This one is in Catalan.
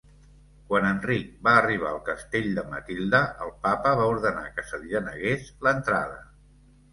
Quan Enric va arribar al castell de Matilde, el Papa va ordenar que se li denegués l'entrada.